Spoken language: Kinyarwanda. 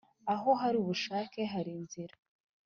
aho hari ubushake, hari inzira.